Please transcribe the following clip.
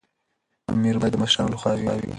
امر باید د مشرانو لخوا وي.